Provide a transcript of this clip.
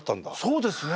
そうですね。